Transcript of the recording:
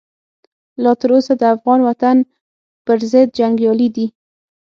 لا تر اوسه د افغان وطن پرضد جنګیالي دي.